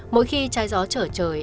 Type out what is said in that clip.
mỗi khi chai gió trở trời